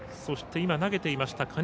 そして、投げていました